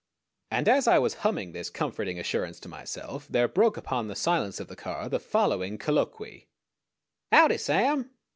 And as I was humming this comforting assurance to myself there broke upon the silence of the car the following colloquy: "Howdy, Sam!"